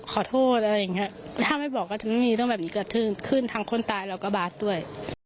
ขอโทษอะไรแบบเนี่ยถ้าไม่บอกก็จะไม่มีเรื่องแบบเนี่ยเกิดขึ้นทางคนตายและก็บ๊าซด้วย